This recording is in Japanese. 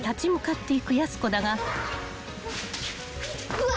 うわ。